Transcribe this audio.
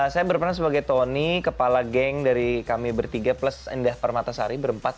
saya berperan sebagai tony kepala geng dari kami bertiga plus endah permatasari berempat